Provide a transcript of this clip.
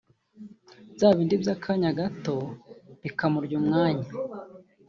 bya bindi by’akanya gato bikamurya umwanya